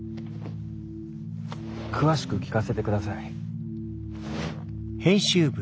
詳しく聞かせて下さい。